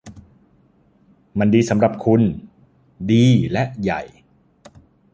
มันดีสำหรับคุณ -- ดีและใหญ่